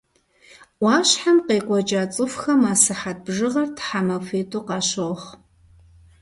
Ӏуащхьэм къекӀуэкӀа цӀыхухэм а сыхьэт бжыгъэр тхьэмахуитӀу къащохъу.